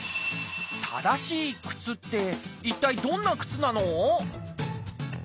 正しい靴って一体どんな靴なの？